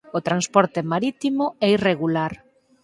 O transporte marítimo é irregular.